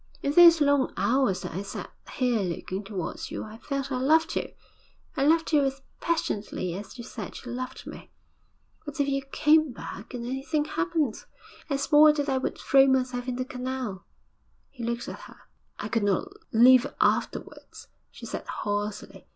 'In those long hours that I sat here looking towards you, I felt I loved you I loved you as passionately as you said you loved me. But if you came back, and anything happened I swore that I would throw myself in the canal.' He looked at her. 'I could not live afterwards,' she said hoarsely.